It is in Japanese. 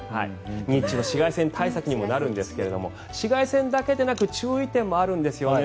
日中の紫外線対策にもなるんですが紫外線だけでなく注意点もあるんですよね。